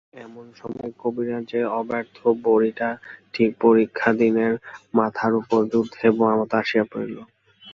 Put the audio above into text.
এমন সময়ে কবিরাজের অব্যর্থ বড়িটা ঠিক পরীক্ষাদিনের মাথার উপর যুদ্ধের বোমার মতো আসিয়া পড়িল।